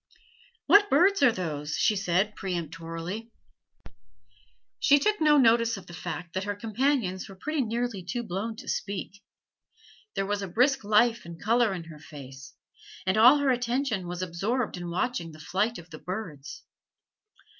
"What birds are those?" she said peremptorily. She took no notice of the fact that her companions were pretty nearly too blown to speak. There was a brisk life and color in her face, and all her attention was absorbed in watching the flight of the birds.